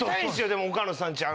でも岡野さんち。